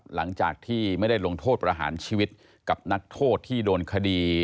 หลังจากที่ไม่ได้ลงโทษประหารชีวิตกับนักโทษที่โดนคดี